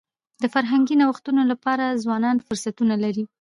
د فرهنګي نوښتونو لپاره ځوانان فرصتونه لري.